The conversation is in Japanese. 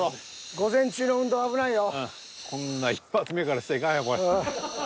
午前中の運動危ないよ。